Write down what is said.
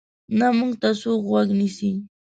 نه موږ ته څوک غوږ نیسي.